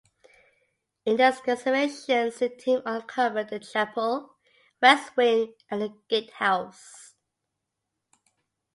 In the excavations, the team uncovered the chapel, west wing and the gatehouse.